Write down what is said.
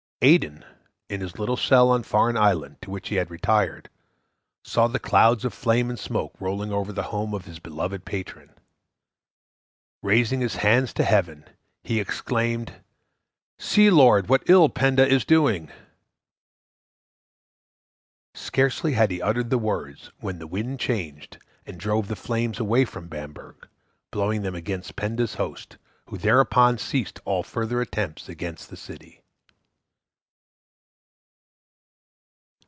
Aidan, in his little cell on Farne Island, to which he had retired, saw the clouds of flame and smoke rolling over the home of his beloved patron. Raising his hands to Heaven, he exclaimed, "See, Lord, what ill Penda is doing!" Scarcely had he uttered the words, when the wind changed, and drove the flames away from Bamburgh, blowing them against Penda's host, who thereupon ceased all further attempts against the city.